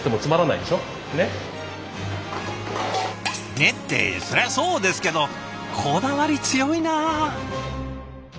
「ね？」ってそりゃそうですけどこだわり強いな。